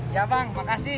iya bang makasih